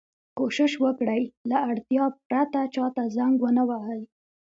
کوشش وکړئ! له اړتیا پرته چا ته زنګ و نه وهئ.